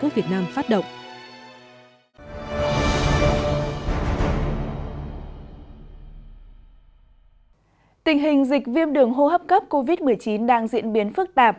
việc viêm đường hô hấp cấp covid một mươi chín đang diễn biến phức tạp